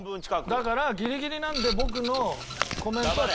だからギリギリなんで僕のコメントは正しかった。